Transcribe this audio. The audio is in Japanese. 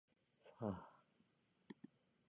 ふぁあ